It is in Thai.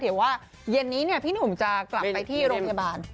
เดี๋ยวว่าเย็นนี้พี่หนุ่มจะกลับไปที่โรงพยาบาล